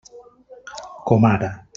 Com ara.